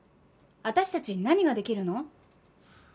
私たちに何ができるの？